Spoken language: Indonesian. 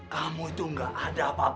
kamu itu gak ada apa apa